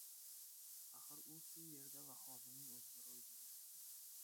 Axir u shu yerda va hozirning oʻzida roʻy beryapti.